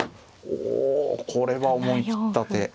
おこれは思い切った手。